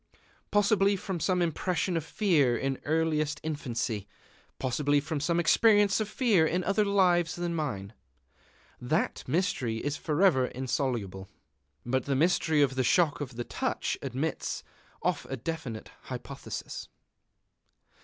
Possibly from some impression of fear in earliest infancy; possibly from some experience of fear in other lives than mine. That mystery is forever insoluble. But the mystery of the shock of the touch admits of a definite hypothesis.